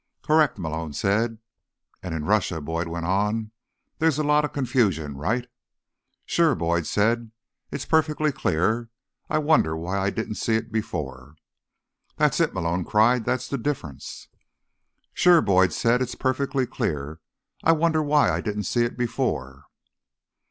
"Correct," Malone said. "And in Russia," Boyd went on, "there's a lot of confusion. Right?" "Sure," Boyd said. "It's perfectly clear. I wonder why I didn't see it before." "That's it!" Malone cried. "That's the difference!" "Sure," Boyd said. "It's perfectly clear. I wonder why I didn't see it before."